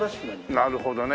なるほどね。